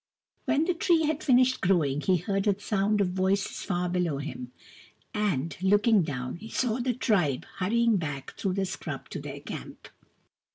When the tree had finished growing, he heard a sound of voices far below him, and, looking down, he saw the tribe hurrying back through the scrub to their camp.